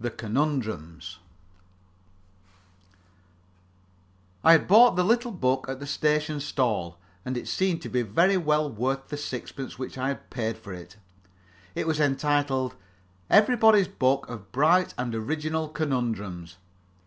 THE CONUNDRUMS I had bought the little book at the station stall, and it seemed to be very well worth the sixpence which I paid for it. It was entitled "Everybody's Book of Bright and Original Conundrums."